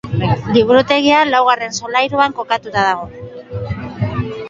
Liburutegia laugarren solairuan kokatuta dago.